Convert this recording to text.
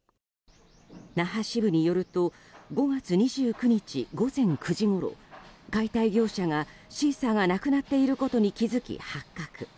那覇支部によると５月２９日午前９時ごろ解体業者が、シーサーがなくなっていることに気づき発覚。